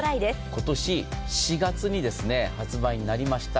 今年４月に発売になりました